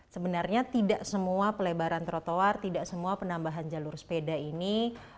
sebenarnya tidak semua pelebaran trotoar tidak semua penambahan jalur sepeda ini